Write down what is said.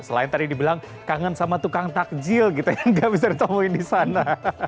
selain tadi dibilang kangen sama tukang takjil gitu yang gak bisa ditemuin di sana